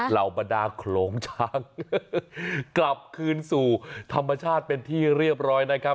เหล่าบรรดาโขลงช้างกลับคืนสู่ธรรมชาติเป็นที่เรียบร้อยนะครับ